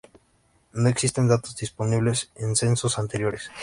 No existen datos disponibles de censos anteriores.